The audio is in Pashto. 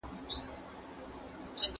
¬ دوږخ که تود دئ، که سوړ، زموږ ورته مخ دئ.